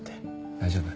大丈夫？